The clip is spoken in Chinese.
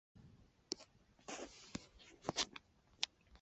剧团以演出莎士比亚作品为主。